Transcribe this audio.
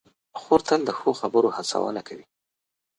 خور تل د ښو خبرو هڅونه کوي.